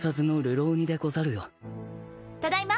ただいま。